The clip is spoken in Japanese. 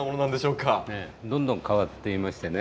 どんどん変わっていましてね